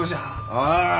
ああ！